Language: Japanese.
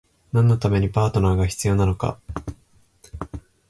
何のためにパートナーが必要なのか？